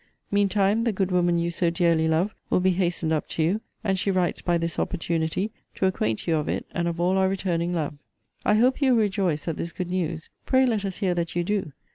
Mean time, the good woman you so dearly love will be hastened up to you; and she writes by this opportunity, to acquaint you of it, and of all our returning love. I hope you will rejoice at this good news. Pray let us hear that you do.